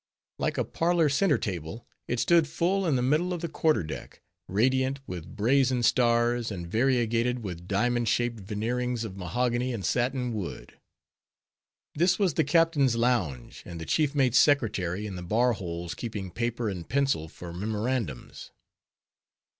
Like a parlor center table, it stood full in the middle of the quarter deck, radiant with brazen stars, and variegated with diamond shaped veneerings of mahogany and satin wood. This was the captain's lounge, and the chief mate's secretary, in the bar holes keeping paper and pencil for memorandums.